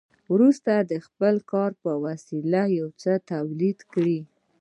وروسته د خپل کار په وسیله یو څه تولید کړي